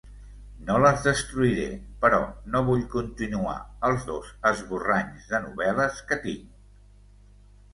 No les destruiré, però no vull continuar els dos esborranys de novel·les que tinc...